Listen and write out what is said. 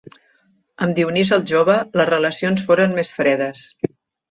Amb Dionís el Jove les relacions foren més fredes.